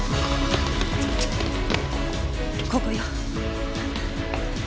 ここよ。